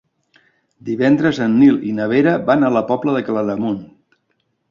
Divendres en Nil i na Vera van a la Pobla de Claramunt.